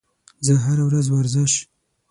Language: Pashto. زه هره ورځ ورزش